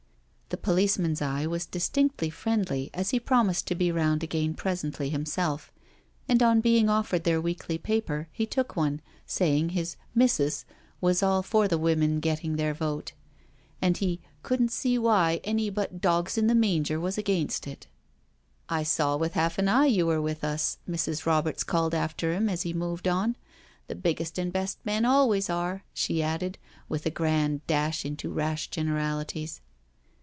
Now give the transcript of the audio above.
The policeman's eye was distinctly friendly as he promised to be round again presently himself, and on being offered their weekly paper, he took one, saying his " missus " was all for the women gettin' their vote, and he " couldn't see why any but dogs in the manger was against it.'* " I saw with half an eye you were with us," Mrs. Roberts called after him as he moved on; " the biggest and best men always are," she added, with a grand dash into rash generalities.